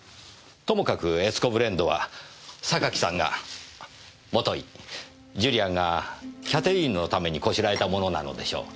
ともかく悦子ブレンドは榊さんがもといジュリアンがキャテリーヌのためにこしらえたものなのでしょう。